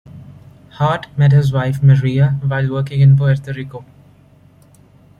Hart met his wife Maria while working in Puerto Rico.